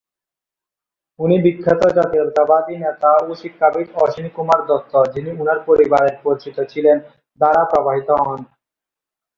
উনি বিখ্যাত জাতীয়তাবাদী নেতা ও শিক্ষাবিদ অশ্বিনী কুমার দত্ত, যিনি ওনার পরিবারের পরিচিত ছিলেন, দ্বারা প্রভাবিত হন।